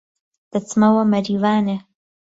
دهچمهوه مهریوانێ